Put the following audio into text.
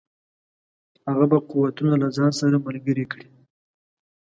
هغه به قوتونه له ځان سره ملګري کړي.